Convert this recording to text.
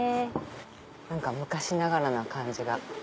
何か昔ながらな感じが。